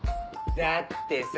だってさ。